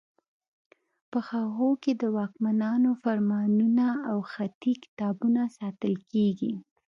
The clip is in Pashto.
په هغو کې د واکمنانو فرمانونه او خطي کتابونه ساتل کیږي.